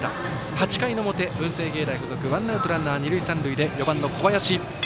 ８回の表、文星芸大付属ワンアウト、ランナー、二塁三塁４番の小林。